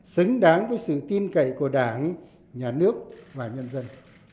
xứng đáng với sự tin cậy của đảng nhà nước và nhân dân